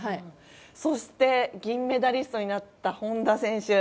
そして、銀メダリストになった本多選手。